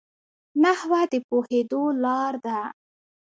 نحوه د پوهېدو لار ده.